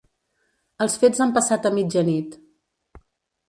Els fets han passat a mitjanit.